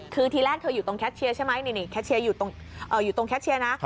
คือทีแรกเธออยู่ตรงแคทเชียร์ใช่ไหมนี่อยู่ตรงแคชเชียร์นะ